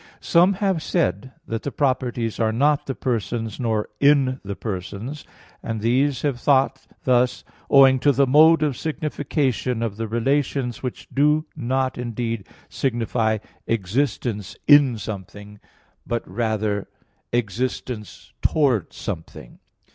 Some have said that the properties are not the persons, nor in the persons; and these have thought thus owing to the mode of signification of the relations, which do not indeed signify existence "in" something, but rather existence "towards" something.